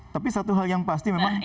tapi satu hal yang pasti memang